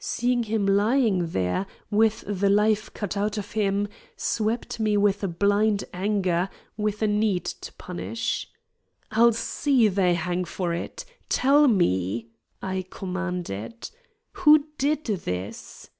Seeing him lying there, with the life cut out of him, swept me with a blind anger, with a need to punish. "I'll see they hang for it. Tell me!" I commanded. "Who did this?"